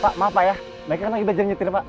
pak maaf pak ya mereka kan lagi belajar ngintir pak